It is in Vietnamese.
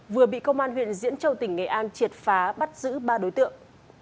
vừa bị công an huyện diễn châu tỉnh nghệ an triệt phá bắt giữ ba đối tượng